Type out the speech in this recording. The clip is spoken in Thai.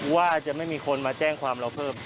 ว่าจะไม่มีคนมาแจ้งความเราเพิ่ม